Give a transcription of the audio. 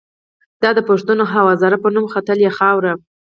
دا د پښتون او هزاره په نوم ختلې خاوره